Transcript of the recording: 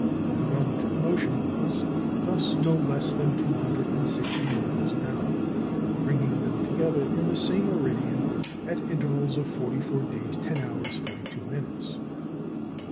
Their relative motion was thus no less than 260 miles an hour, bringing them together in the same meridian at intervals of forty four days ten hours forty two minutes.